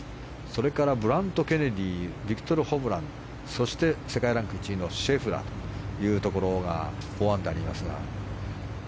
それからブラッド・ケネディビクトル・ホブランそして世界ランク１位のシェフラーというところが４アンダーにいますが。